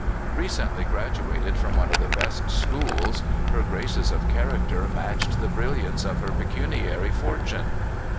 Recently graduated from one of the best schools, her graces of character matched the brilliance of her pecuniary fortune.